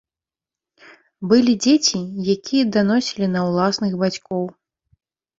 Былі дзеці, якія даносілі на ўласных бацькоў.